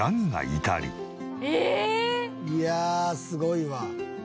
いやあすごいわ。